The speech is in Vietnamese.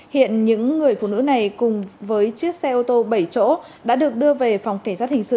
hiện những người phụ nữ này cùng với chiếc xe ô tô bảy chỗ đã được đưa về phòng kể sát hình sự